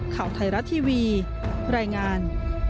ข่าวไทยรัฐทีวีรายงาน